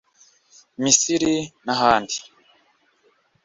Misiri n’ahandi